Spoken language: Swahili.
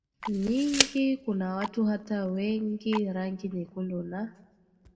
nyingi kuna watu hata wenye rangi nyekundu na